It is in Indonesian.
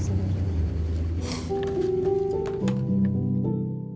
kalau blue baro